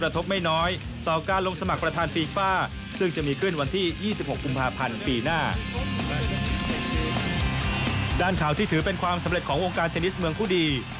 ถือเป็นความสำเร็จของวงการเทนนิสเมืองคู่ดี